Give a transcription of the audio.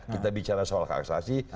kita bicara soal hak asasi